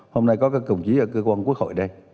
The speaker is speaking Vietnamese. hôm nay có các đồng chí ở cơ quan quốc hội đây